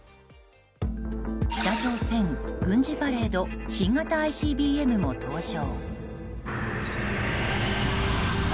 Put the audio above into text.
北朝鮮軍事パレード新型ＩＣＢＭも登場。